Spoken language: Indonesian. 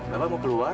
bapak mau keluar